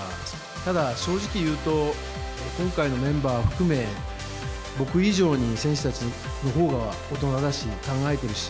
ただ、正直言うと、今回のメンバーを含め、僕以上に選手たちのほうが大人だし、考えているし。